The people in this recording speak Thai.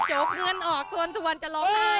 จกเงินออกทวนจะร้องไห้